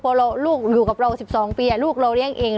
เพราะเราลูกอยู่กับเราสิบสองปีอ่ะลูกเราเลี้ยงเอง